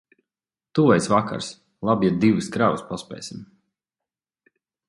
Tuvojas vakars. Labi, ja divas kravas paspēsim.